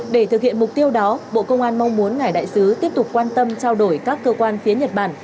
để thực hiện mục tiêu đó bộ công an mong muốn ngài đại sứ tiếp tục quan tâm trao đổi các cơ quan phía nhật bản